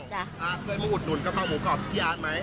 เคยมาอุดหนุนกะเพราหมูกรอบพี่อาร์ดไหม